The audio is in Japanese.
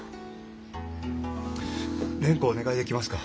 蓮子をお願いできますか？